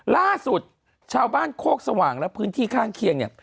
ล่าสุดชาวบ้านโคกสว่างและพื้นที่ข้างเคียงเนี่ย